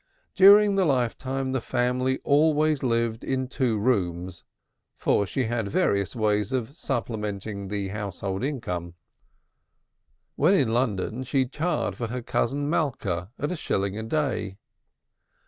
During her lifetime the family always lived in two rooms, for she had various ways of supplementing the household income. When in London she chared for her cousin Malka at a shilling a day.